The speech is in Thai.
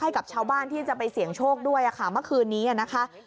ให้กับชาวบ้านที่จะไปเสี่ยงโชคด้วยค่ะเมื่อคืนนี้นะคะ